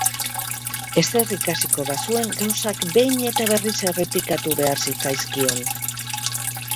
Ezer ikasiko bazuen, gauzak behin eta berriz errepikatu behar zitzaizkion.